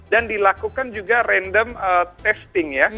dan dilakukan juga random testing